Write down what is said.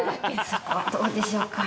そこはどうでしょうか。